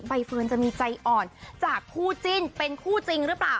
เฟิร์นจะมีใจอ่อนจากคู่จิ้นเป็นคู่จริงหรือเปล่า